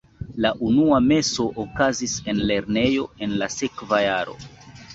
La unua meso okazis en lernejo en la sekva jaro.